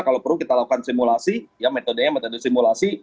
kalau perlu kita lakukan simulasi ya metodenya metode simulasi